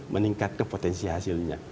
meningkatkan potensi hasilnya